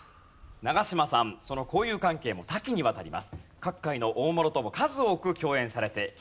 長嶋さんその交友関係も多岐にわたります。